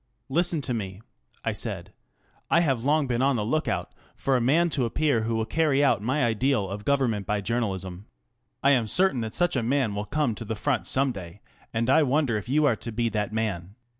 Listen to me," I said; " I have been long on the look out for a man to appear who will carry out my ideal of govern ment by jour nalism I am certain that such a man will come to the front some day, and I won der if you are to be that man.